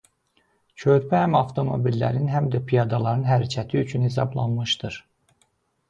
Körpü həm avtomobillərin həm də piyadaların hərəkəti üçün hesablanmışdır.